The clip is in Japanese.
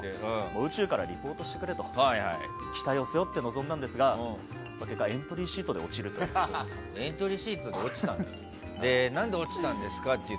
宇宙からリポートしてくれと期待を背負って臨んだんですが結果、エントリーシートで落ちるっていう。